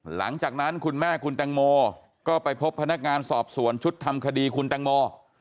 หลังจากนั้นคุณแม่คุณแตงโมก็ไปพบพนักงานสอบสวนชุดทำคดีคุณแตงโม